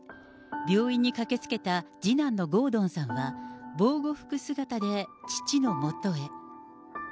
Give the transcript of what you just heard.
病院に駆けつけた次男の郷敦さんは、防護服姿で父のもとへ。